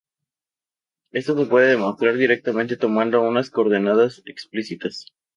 Esto se puede demostrar directamente tomando unas coordenadas explícitas.